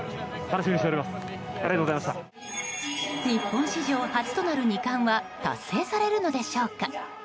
日本史上初となる２冠は達成されるのでしょうか。